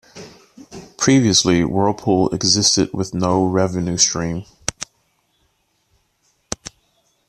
Previously, Whirlpool existed with no revenue stream.